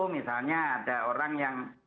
misalnya ada orang yang